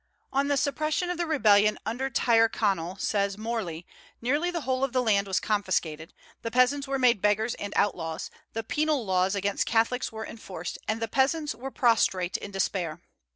"On the suppression of the rebellion under Tyrconnel," says Morley, "nearly the whole of the land was confiscated, the peasants were made beggars and outlaws, the Penal Laws against Catholics were enforced, and the peasants were prostrate in despair."